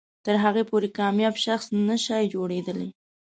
تر هغې پورې کامیاب شخص نه شئ جوړېدلی.